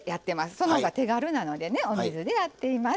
その方が手軽なのでねお水でやっています。